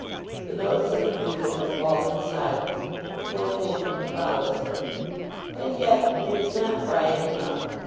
The notes of the bugle have fallen silent; no movement follows them. And yet it is not quiet enough.